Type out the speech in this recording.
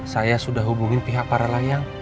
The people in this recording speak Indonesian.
saya sudah hubungi pihak para layang